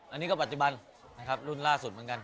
อันนี้ก็ปัจจุบันนะครับรุ่นล่าสุดเหมือนกัน